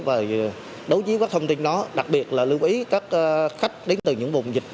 và đối chiếu các thông tin đó đặc biệt là lưu ý các khách đến từ những vùng dịch